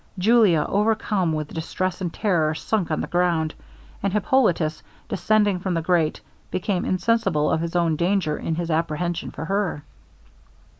Julia, overcome with distress and terror, sunk on the ground; and Hippolitus, descending from the grate, became insensible of his own danger in his apprehension for her.